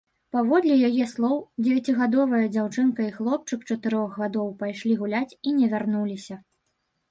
Паводле яе слоў, дзевяцігадовая дзяўчынка і хлопчык чатырох гадоў пайшлі гуляць і не вярнуліся.